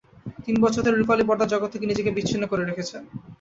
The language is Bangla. তিন বছর ধরে রুপালি পর্দার জগৎ থেকে নিজেকে বিচ্ছিন্ন করে রেখেছেন।